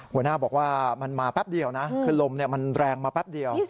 หัวหน้าบอกว่ามันมาแป๊บเดียวนะคือลมมันแรงมาแป๊บเดียว